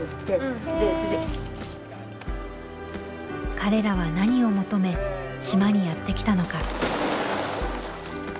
彼らは何を求め島にやって来たのか。